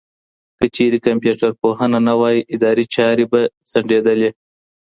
که چيرې کمپيوټر پوهنه نه وای، اداري چارې به ځنډېدلې.